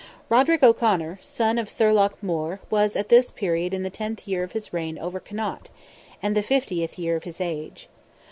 Roderick O'Conor, son of Thorlogh More, was at this period in the tenth year of his reign over Connaught, and the fiftieth year of his age.